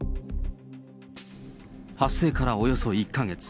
発生からおよそ１か月。